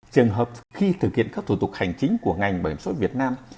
trường hợp khi thực hiện các thủ tục hành chính của ngành bảo hiểm sội việt nam